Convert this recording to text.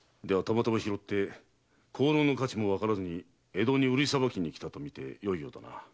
ではたまたま拾って香炉の価値もわからずに江戸に売りさばきに来たとみてよいようだな。